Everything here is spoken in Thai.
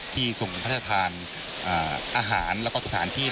ที่ทรงพัฒนาทานอาหารสถานที่